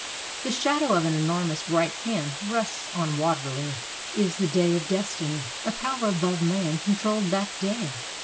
The shadow of an enormous right hand rests on Waterloo. It is the day of destiny. A power above man controlled that day.